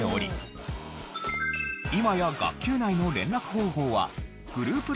今や学級内の連絡方法はグループ